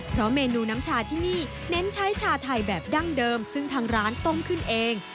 เพราะเมนูน้ำชาที่นี่เน้นใช้ชาไทยแบบดั้งเดิมซึ่งทางร้านต้มขึ้นเอง